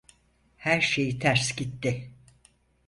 Her şey ters gitti.